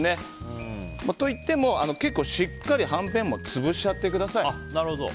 といっても結構しっかりはんぺんも潰しちゃってください。